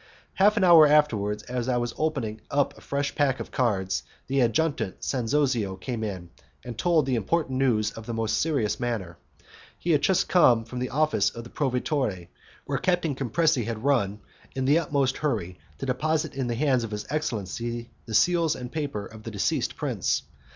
Half an hour afterwards, as I was opening a fresh pack of cards, the Adjutant Sanzonio came in, and told the important news in the most serious manner. He had just come from the office of the proveditore, where Captain Camporese had run in the utmost hurry to deposit in the hands of his excellency the seal and the papers of the deceased prince.